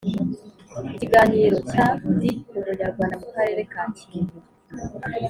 ikiganiro cya ndi umunyarwanda mu karere ka kirehe